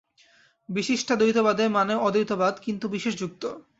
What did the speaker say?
বিশিষ্টাদ্বৈতবাদ মানে অদ্বৈতবাদ, কিন্তু বিশেষযুক্ত।